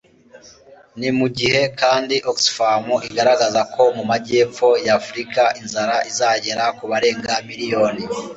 ni mu gihe kandi oxfam igaragaza ko mu amajyepfo y'afurika inzara izagera ku barenga miliyoni